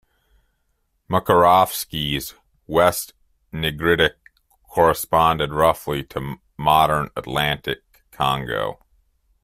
Mukarovsky's West-Nigritic corresponded roughly to modern Atlantic-Congo.